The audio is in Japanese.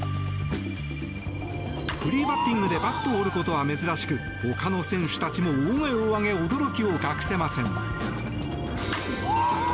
フリーバッティングでバットを折ることは珍しく他の選手たちも大声を上げ驚きを隠せません。